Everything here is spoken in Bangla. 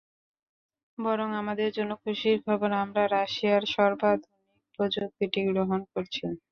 বরং আমাদের জন্য খুশির খবর আমরা রাশিয়ার সর্বাধুনিক প্রযুক্তিটি গ্রহণ করছি।